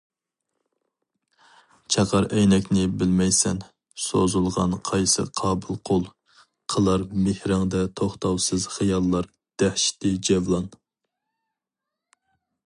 چاقار ئەينەكنى، بىلمەيسەن، سوزۇلغان قايسى قابىل قول؟ قىلار مېھرىڭدە توختاۋسىز خىياللار دەھشىتى جەۋلان.